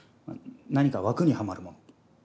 何か枠にはまるもの。